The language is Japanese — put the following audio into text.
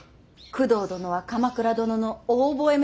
工藤殿は鎌倉殿のお覚え